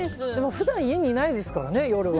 普段、家にいないですからね夜は。